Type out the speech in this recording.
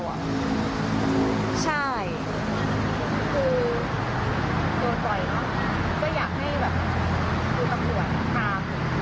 ใช่คือโดนปล่อยจะอยากให้แบบดูตำรวจฆ่า